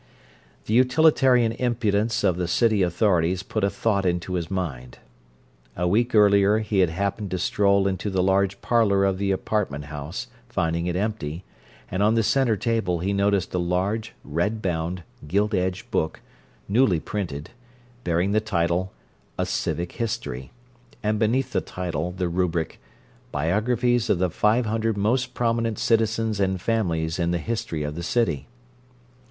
The utilitarian impudence of the city authorities put a thought into his mind. A week earlier he had happened to stroll into the large parlour of the apartment house, finding it empty, and on the center table he noticed a large, red bound, gilt edged book, newly printed, bearing the title: "A Civic History," and beneath the title, the rubric, "Biographies of the 500 Most Prominent Citizens and Families in the History of the City."